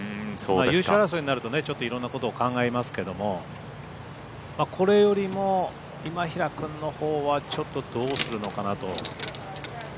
優勝争いになるといろんなことを考えますけどこれよりも今平君のほうはちょっとどうするのかなと。